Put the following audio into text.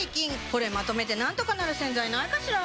これまとめてなんとかなる洗剤ないかしら？